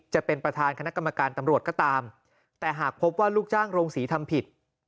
จะเป็นประธานคณะกรรมการตำรวจก็ตามแต่หากพบว่าลูกจ้างโรงศรีทำผิด